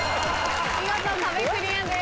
見事壁クリアです。